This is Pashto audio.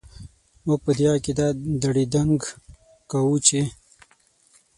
موږ په دې عقيده دړي دنګ کاوو چې ...